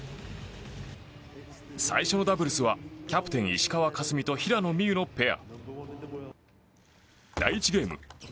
最初のダブルスはキャプテン、石川佳純と平野美宇のペア。